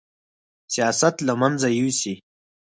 سیاست له منځه یوسي